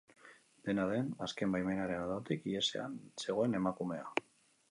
Dena den, azken baimenaren ondotik ihesean zegoen emakumea.